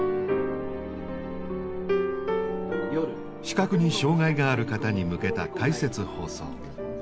視覚に障害がある方に向けた「解説放送」。